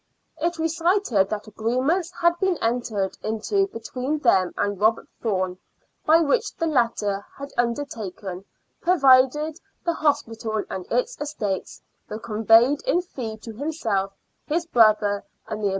It recited that agreements had been entered into between them and Robert Thorne, by which the latter had undertaken, provided the hospital and its estates were conveyed in fee to himself, his brother, and the a.